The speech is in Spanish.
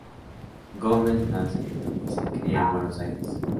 Gómez nace y se cría en Buenos Aires.